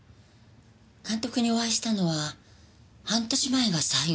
監督にお会いしたのは半年前が最後。